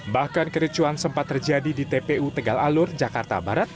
bahkan kericuan sempat terjadi di tpu tegal alur jakarta barat